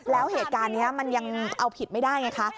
แล้วเหตุการณ์นี้มันยังเอาผิดไม่ได้ไงคะ